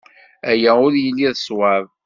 Aya ur yelli d ṣṣwab.